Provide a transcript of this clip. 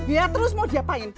ya terus mau diapain